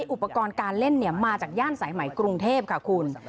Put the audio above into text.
อุปกรณ์การเล่นมาจากย่านสายไหมกรุงเทพค่ะคุณ